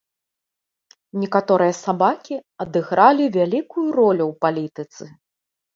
Некаторыя сабакі адыгралі вялікую ролю ў палітыцы.